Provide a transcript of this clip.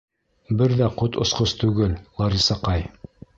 Бер ҙә ҡот осҡос түгел, Ларисаҡай.